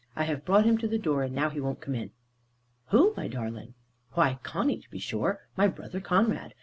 I have brought him to the door; and now he won't come in!" "Who, my darling?" "Why, Conny, to be sure. My brother Conrad.